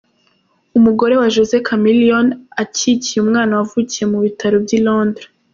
Umugore wa Jose Chameleone acyikiye umwana wavukiye mu bitaro by'i Londres.